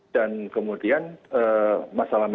dan kemudian masalah masalahnya